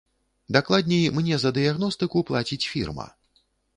Дакладней, мне за дыягностыку плаціць фірма.